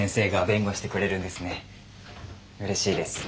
うれしいです。